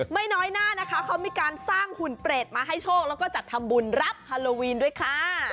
ไม่น้อยหน้านะคะเขามีการสร้างหุ่นเปรตมาให้โชคแล้วก็จัดทำบุญรับฮาโลวีนด้วยค่ะ